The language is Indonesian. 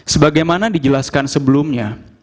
sebagai mana dijelaskan sebelumnya